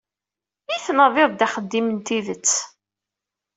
I tnadiḍ-d axeddim n tidet?